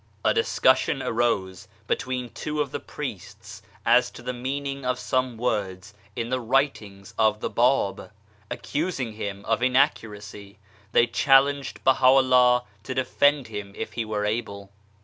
A discussion arose between two of these priests as to the meaning of some words in the writings of the Bab ; accusing him of inaccuracy, they challenged Baha'u'llah to defend him if he were able.